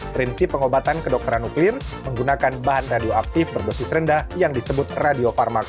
prinsip pengobatan kedokteran nuklir menggunakan bahan radioaktif berdosis rendah yang disebut radiofarmak